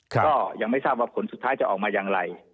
ก็ยังไม่ทราบว่าผลสุดท้ายจะออกมาอย่างไร